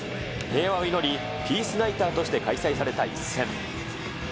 平和を祈り、ピースナイターとして開催された一戦。